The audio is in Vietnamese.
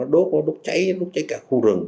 nó đốt cháy cả khu rừng